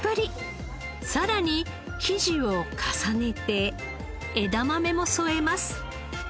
さらに生地を重ねて枝豆も添えます。